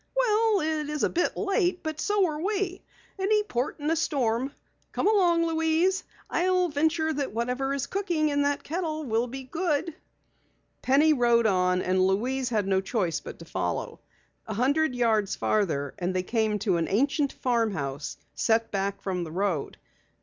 "Well, it is a bit late, but so are we. Any port in a storm. Come along, Louise. I'll venture that whatever is cooking in that kettle will be good." Penny rode on and Louise had no choice but to follow. A hundred yards farther on they came to an ancient farmhouse set back from the road.